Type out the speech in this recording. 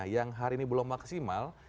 yang hari ini belum maksimal